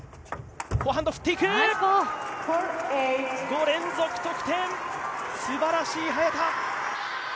５連続得点、すばらしい早田！